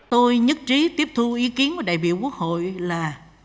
tôi nhất trí tiếp thu ý kiến của đại biểu quốc hội là